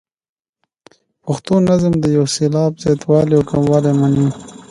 پښتو نظم د یو سېلاب زیاتوالی او کموالی مني.